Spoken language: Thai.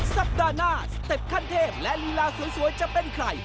สัปดาห์หน้าสเต็ปขั้นเทพและลีลาสวยจะเป็นใคร